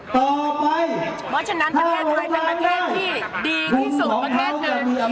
เพราะฉะนั้นประเทศไทยเป็นประเทศที่ดีที่สุดประเทศหนึ่ง